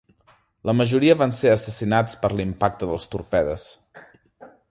La majoria van ser assassinats per l'impacte dels torpedes.